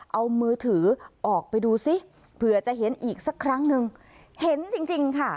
เอามือถือออกไปดูซิเผื่อจะเห็นอีกสักครั้งหนึ่งเห็นจริงจริงค่ะ